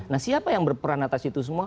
nah siapa yang berperan atas itu semua